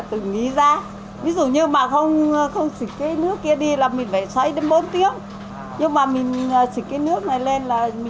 ví dụ như mà không chỉnh cái nước kia đi là mình phải xoay đến bốn tiếng nhưng mà mình chỉnh cái nước này lên là mình chỉ xoay khoảng hai tiếng hai tiếng là xong giảm lên một nửa thời gian